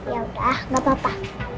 yaudah gak apa apa